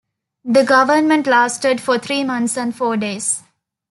The government lasted for three months and four days.